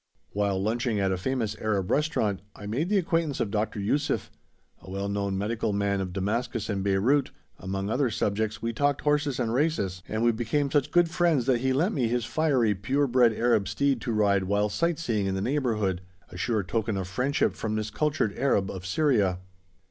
While lunching at a famous Arab restaurant I made the acquaintance of Dr. Yuseff, a well known medical man of Damascus and Beyrout; among other subjects we talked horses and races, and we became such good friends that he lent me his fiery, pure bred Arab steed to ride while sight seeing in the neighbourhood a sure token of friendship from this cultured Arab of Syria.